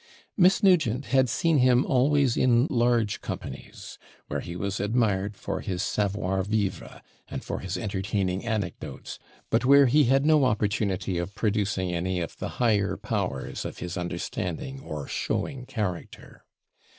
Miss Nugent had seen him always in large companies, where he was admired for his SCAVOIR VIVRE, and for his entertaining anecdotes, but where he had no opportunity of producing any of the higher powers of his understanding, or showing character.